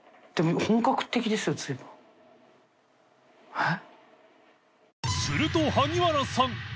えっ？